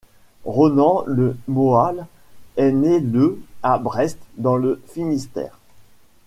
Ronan Le Moal est né le à Brest dans le Finistère.